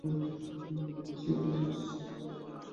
প্রতিটি শ্রেণী/শাখাতে একজন ক্লাস শিক্ষক থাকে।